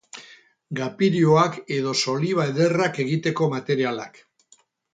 Gapirioak edo soliba ederrak egiteko materialak.